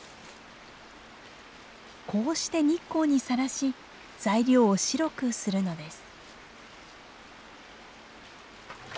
こうして日光にさらし材料を白くするのです。